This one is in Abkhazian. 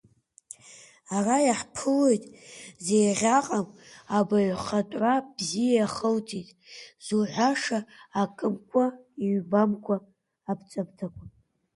Ара иаҳԥылоит зеиӷьаҟам абаҩхатәра бзиа иахылҵит ззуҳәаша акымкәа-ҩбамкәа аԥҵамҭақәа.